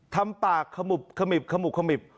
ทำปากขมุบขมิบขมุบขมิบ